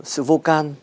sự vô can